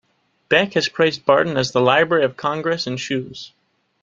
Beck has praised Barton as "the Library of Congress in shoes".